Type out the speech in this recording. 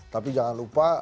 tapi jangan lupa